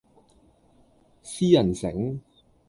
私人醒